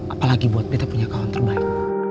apalagi buat kita punya kawan terbaik